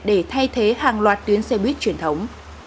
để thay thế hàng loạt tuyến xe buýt truyền thống